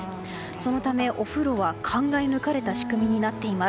そのため、お風呂は考え抜かれた仕組みになっています。